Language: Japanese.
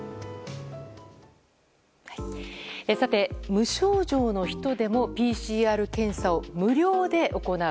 無症状の人でもＰＣＲ検査を無料で行う。